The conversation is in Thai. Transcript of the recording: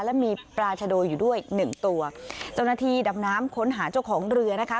และมีปราชโดอยู่ด้วยหนึ่งตัวเจ้าหน้าที่ดำน้ำค้นหาเจ้าของเรือนะคะ